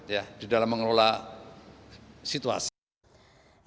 ya di dalam mengelola situasi